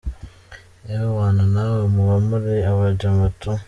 ewana nawe muba muri abajama tu.